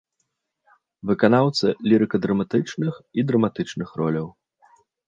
Выканаўца лірыка-драматычных і драматычных роляў.